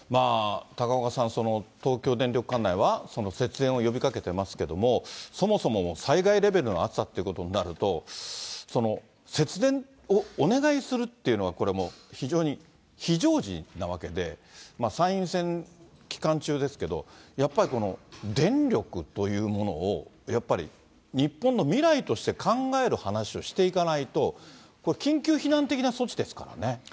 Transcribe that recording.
高岡さん、東京電力管内は、節電を呼びかけてますけれども、そもそも災害レベルの暑さということになると、節電をお願いするっていうのは、これもう非常に、非常時なわけで、参院選期間中ですけど、やっぱりこの電力というものを、やっぱり日本の未来として考える話をしていかないと、緊急避難的な措置ですからね。